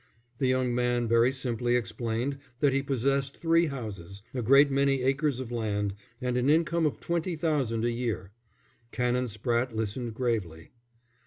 The young man very simply explained that he possessed three houses, a great many acres of land, and an income of twenty thousand a year. Canon Spratte listened gravely.